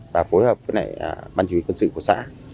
và phối hợp với ban chỉ huy quân sự của xã